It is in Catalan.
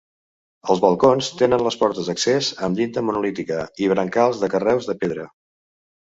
Els balcons tenen les portes d'accés amb llinda monolítica i brancals de carreus de pedra.